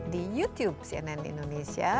di youtube cnn indonesia